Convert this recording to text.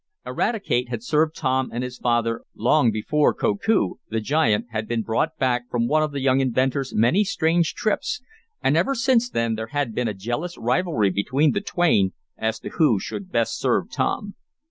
Eradicate had served Tom and his father long before Koku, the giant, had been brought back from one of the young inventor's many strange trips, and ever since then there had been a jealous rivalry between the twain as to who should best serve Tom.